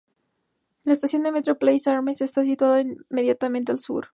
La estación de metro Place-d’Armes está situada inmediatamente al sur.